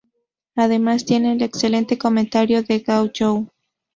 Además, tiene el excelente comentario de Gao You.